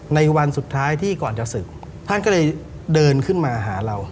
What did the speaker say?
ในวันสุดท้ายที่ก่อนจะศึกท่านก็เลยเดินขึ้นมาหาเรา